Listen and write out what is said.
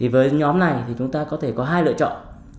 với nhóm này thì chúng ta có thể có hai lựa chọn